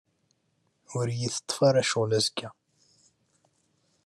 Ur y-iteṭṭef ara ccɣel azekka.